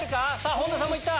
本田さんもいった！